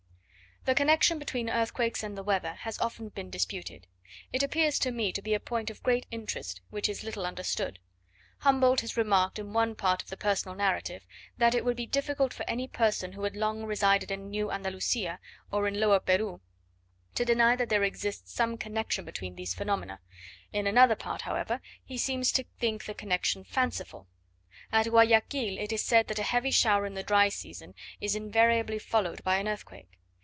The connection between earthquakes and the weather has been often disputed: it appears to me to be a point of great interest, which is little understood. Humboldt has remarked in one part of the Personal Narrative, that it would be difficult for any person who had long resided in New Andalusia, or in Lower Peru, to deny that there exists some connection between these phenomena: in another part, however he seems to think the connection fanciful. At Guayaquil it is said that a heavy shower in the dry season is invariably followed by an earthquake.